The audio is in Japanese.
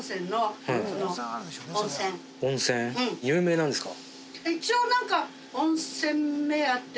有名なんですか？